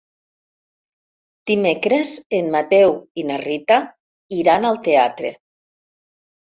Dimecres en Mateu i na Rita iran al teatre.